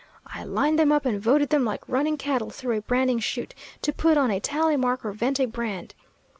I lined them up and voted them like running cattle through a branding chute to put on a tally mark or vent a brand.